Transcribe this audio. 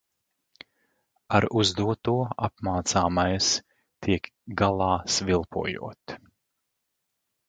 Ar uzdoto apmācāmais tiek galā svilpojot.